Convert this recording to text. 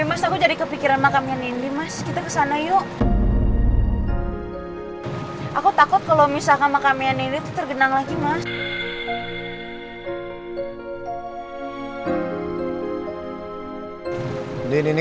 mas hujannya deras banget loh ini